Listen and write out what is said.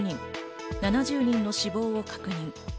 ７０人の死亡を確認。